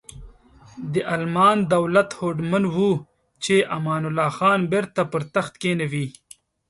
د المان دولت هوډمن و چې امان الله خان بیرته پر تخت کینوي.